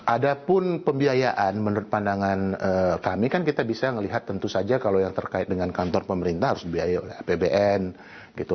ada pun pembiayaan menurut pandangan kami kan kita bisa melihat tentu saja kalau yang terkait dengan kantor pemerintah harus dibiayai oleh apbn gitu